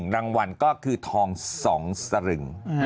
รางวัลก็คือทอง๒สลึง